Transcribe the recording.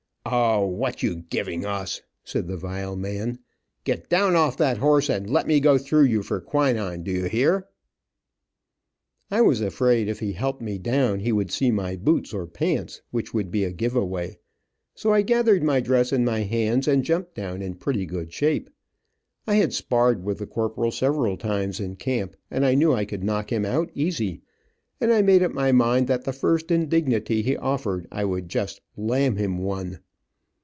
"O, what you giving us," said the vile man. "Get down off that horse and let me go through you for quinine. Do you hear?" I was afraid if he helped me down he would see my boots or pants, which would be a give away. So I gathered my dress in my hands and jumped down in pretty good shape. I had sparred with the corporal several times in camp, and I knew I could knock him out easy, and I made up my mind that the first indignity he offered me I would just "lam him one.